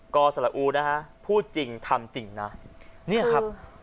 กอสระอูนะคะพูดจริงทำจริงนะ